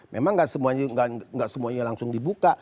memang tidak semuanya langsung dibuka